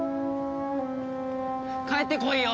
帰ってこいよ！